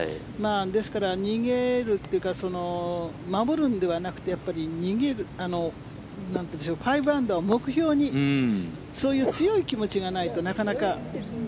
ですから、逃げるというか守るんではなくて逃げる、５アンダーを目標にそういう強い気持ちがないとなかなか。